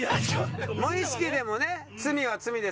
無意識でもね罪は罪ですから。